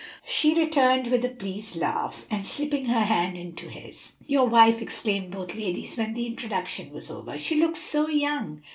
she returned with a pleased laugh, and slipping her hand into his. "Your wife!" exclaimed both ladies when the introduction was over. "She looks so young!"